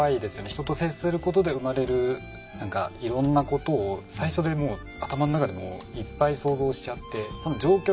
人と接することで生まれる何かいろんなことを最初でもう頭の中でいっぱい想像しちゃって。